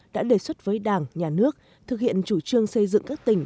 xây xuất với đảng nhà nước thực hiện chủ trương xây dựng các tỉnh